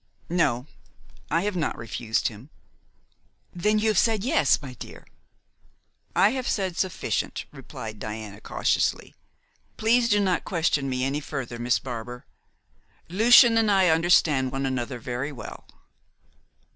"No; I have not refused him." "Then you have said 'yes,' my dear!" "I have said sufficient," replied Diana cautiously. "Please do not question me any further, Miss Barbar. Lucian and I understand one another very well."